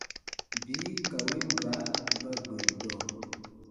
Bii ka win baa ba gberu dɔɔ.